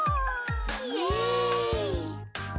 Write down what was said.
イエイ。